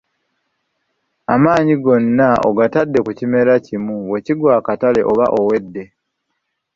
Amaanyi gonna ogatadde ku kimera kimu bwe kigwa akatale oba owedde.